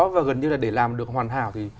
và gần như là để làm được hoàn hảo